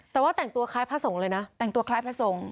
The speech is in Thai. แต่ว่าแต่งตัวคล้ายพระสงฆ์เลยนะแต่งตัวคล้ายพระสงฆ์